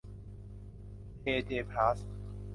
เอ เจ พลาสท์